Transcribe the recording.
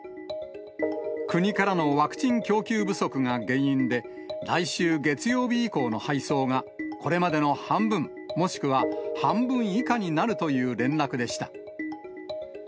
国からのワクチン供給不足が原因で、来週月曜日以降の配送が、これまでの半分、もしくは半分以下になるという連絡でした。